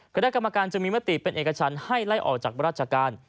คณะกรรมการจะมีมติเป็นเอกชันให้ไล่ออกจากราชการ